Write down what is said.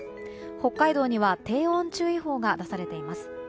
北海道には低温注意報が出されています。